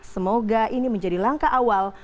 semoga ini menjadi langkah awal